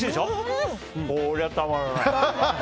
こりゃたまらない。